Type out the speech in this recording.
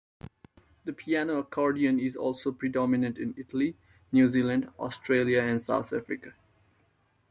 The piano accordion is also predominant in Italy, New Zealand, Australia and South Africa.